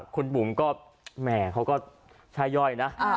คุณบุ๋มก็แหมเขาก็ช่าย่อยนะ